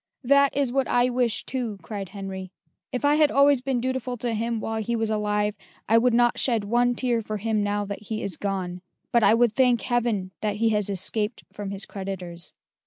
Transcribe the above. "That is what I wish too," cried Henry. "If I had always been dutiful to him while he was alive, I would not shed one tear for him now that he is gone but I would thank Heaven that he has escaped from his creditors."